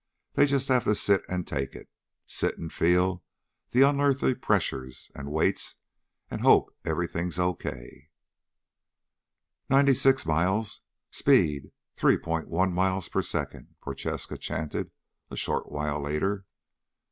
They just have to sit and take it. Sit and feel the unearthly pressures and weights and hope everything's okay. "Ninety six miles ... speed 3.1 miles per second," Prochaska chanted a short while later.